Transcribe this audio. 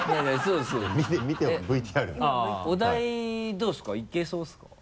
どうですかいけそうですか？